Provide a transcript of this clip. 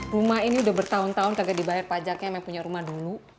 rumah ini udah bertahun tahun kagak dibayar pajaknya emang punya rumah dulu